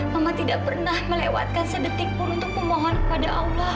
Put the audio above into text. mama tidak pernah melewatkan sedetik pun untuk memohon kepada allah